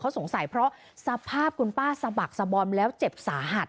สงสัยเพราะสภาพคุณป้าสะบักสะบอมแล้วเจ็บสาหัส